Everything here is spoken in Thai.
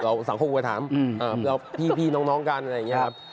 สังคมก็ถามพี่น้องกันอะไรอย่างนี้ครับ